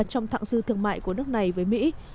trong thạng dư thương mại của nước này với mỹ